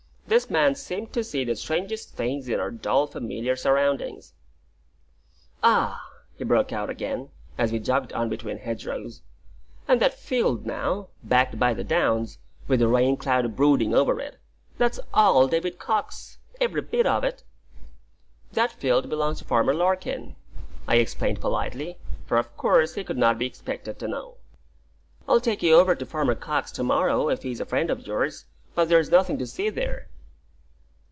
This man seemed to see the strangest things in our dull, familiar surroundings. "Ah!" he broke out again, as we jogged on between hedgerows: "and that field now backed by the downs with the rain cloud brooding over it, that's all David Cox every bit of it!" "That field belongs to Farmer Larkin," I explained politely, for of course he could not be expected to know. "I'll take you over to Farmer Cox's to morrow, if he's a friend of yours; but there's nothing to see there."